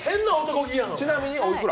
ちなみにおいくら？